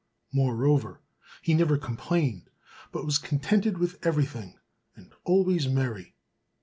Moreover, he never complained, but was contented with everything, and always merry.